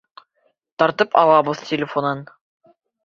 Тартып алабыҙ телефонын!